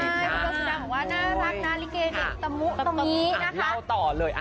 คุณผู้ชมบอกว่าน่ารักน่าลิเกย์เด็กตะมุตรตรงนี้นะคะ